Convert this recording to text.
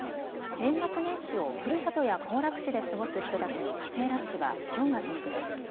年末年始をふるさとや行楽地で過ごす人たちの帰省ラッシュはきょうがピークです。